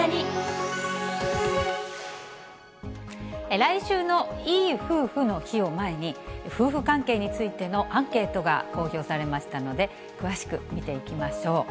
来週のいい夫婦の日を前に、夫婦関係についてのアンケートが公表されましたので、詳しく見ていきましょう。